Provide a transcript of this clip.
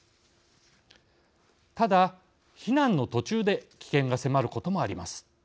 ただ避難の途中で危険が迫ることもあります。